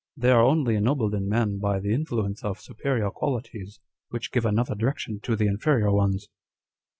They are only ennobled in man by the influence of superior qualities, which give another direction to the inferior ones."